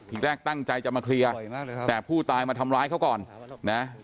อีกแรกตั้งใจจะมาเคลียร์แต่ผู้ตายมาทำร้ายเขาก่อนนะ